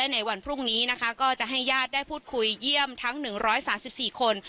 ในวันพรุ่งนี้นะคะก็จะให้ญาติได้พูดคุยเยี่ยมทั้ง๑๓๔คน